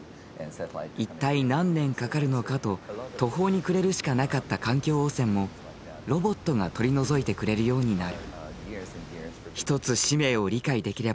一体何年かかるのかと途方に暮れるしかなかった環境汚染もロボットが取り除いてくれるようになる。